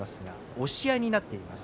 押し合いになっています。